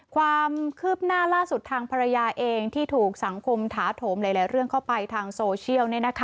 ความคืบหน้าล่าสุดทางภรรยาเองที่ถูกสังคมถาโถมหลายเรื่องเข้าไปทางโซเชียล